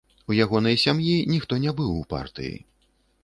У ягонай сям'і ніхто не быў у партыі.